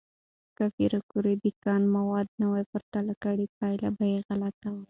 که پېیر کوري د کان مواد نه پرتله کړي، پایله به غلطه وي.